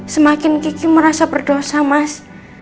semakin kiki merasa berdosa mas